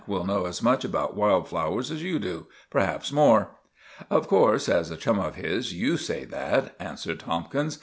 will know as much about wild flowers as you do—perhaps more." "Of course, as a chum of his, you say that," answered Tomkins.